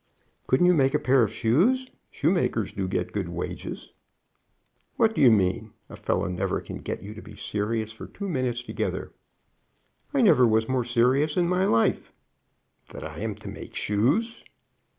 "Couldn't you make a pair of shoes? Shoemakers do get good wages." "What do you mean? A fellow never can get you to be serious for two minutes together. "I never was more serious in my life." "That I am to make shoes?"